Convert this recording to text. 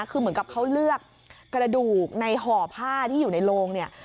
คือเหมือนกับเขาเลือกกระดูกในห่อผ้าที่อยู่ในโรงเนี่ย